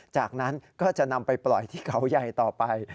จากนั้นก็จะนำไปปล่อยที่เขาใหญ่ต่อไป